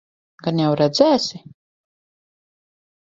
Gan jau redzēsi?